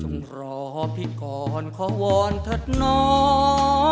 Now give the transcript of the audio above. จงรอพี่ก่อนขอวอนเถิดน้อง